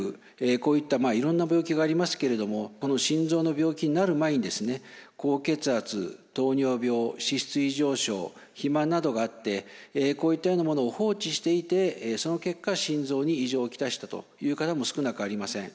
こういったいろんな病気がありますけれども心臓の病気になる前に高血圧糖尿病脂質異常症肥満などがあってこういったようなものを放置していてその結果心臓に異常を来したという方も少なくありません。